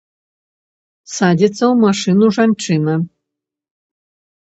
Садзіцца ў машыну жанчына.